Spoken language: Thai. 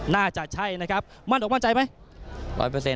น่าจะใช่นะครับมั่นอกมั่นใจไหม